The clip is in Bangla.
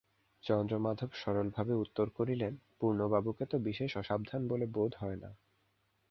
চন্দ্রমাধব সরলভাবে উত্তর করিলেন, পূর্ণবাবুকে তো বিশেষ অসাবধান বলে বোধ হয় না।